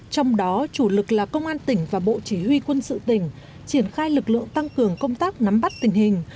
trong đó chủ lực là công an tỉnh và bộ chỉ huy quân sự tỉnh triển khai lực lượng tăng cường công tác nắm bắt tình hình